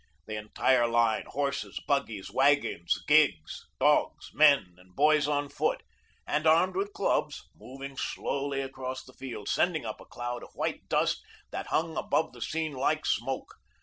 The entire line, horses, buggies, wagons, gigs, dogs, men and boys on foot, and armed with clubs, moved slowly across the fields, sending up a cloud of white dust, that hung above the scene like smoke.